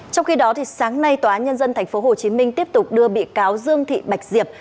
trong khi đó sáng nay tòa án nhân dân tp hcm tiếp tục đưa bị cáo dương thị bạch diệp